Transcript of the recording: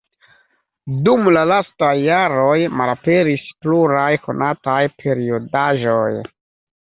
Dum la lastaj jaroj malaperis pluraj konataj periodaĵoj.